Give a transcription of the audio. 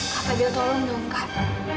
kak fadil tolong dong kak